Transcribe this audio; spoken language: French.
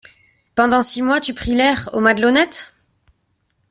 Pendant six mois, tu pris l’air… aux Madelonnettes ?